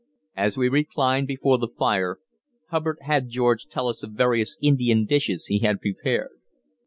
As we reclined before the fire, Hubbard had George tell us of various Indian dishes he had prepared.